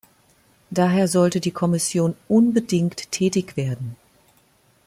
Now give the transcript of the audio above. Daher sollte die Kommission unbedingt tätig werden.